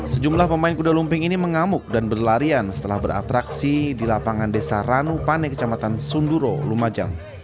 sejumlah pemain kuda lumping ini mengamuk dan berlarian setelah beratraksi di lapangan desa ranupane kecamatan sunduro lumajang